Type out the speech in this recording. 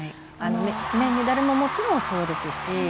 メダルも、もちろんそうですし。